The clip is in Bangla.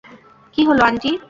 কী হলো আন্টি?